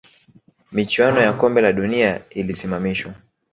michuano ya Kombe la dunia ililisimamishwa